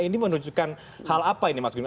ini menunjukkan hal apa ini mas gun